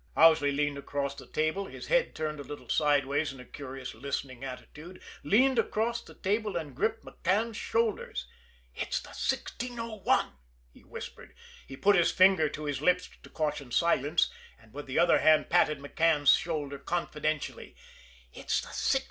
Owsley leaned across the table, his head turned a little sideways in a curious listening attitude leaned across the table and gripped McCann's shoulders. "It's the 1601!" he whispered. He put his finger to his lips to caution silence, and with the other hand patted McCann's shoulder confidentially. "It's the 1601!"